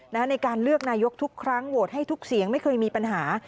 ในการเลือกนายกทุกครั้งโหวตให้ทุกเสียงไม่เคยมีปัญหา